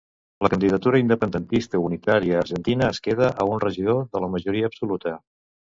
La candidatura independentista unitària argentina es queda a un regidor de la majoria absoluta.